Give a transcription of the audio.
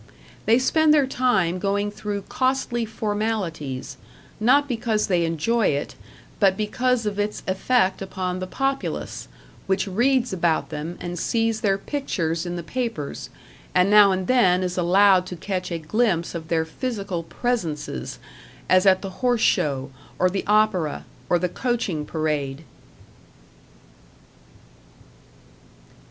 They spend their time going through costly formalities not because they enjoy it, but because of its effect upon the populace, which reads about them and sees their pictures in the papers, and now and then is allowed to catch a glimpse of their physical Presences, as at the horse show, or the opera, or the coaching parade.